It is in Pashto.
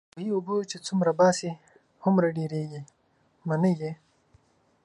وايي د کوهي اوبه چې څومره باسې، هومره ډېرېږئ. منئ يې؟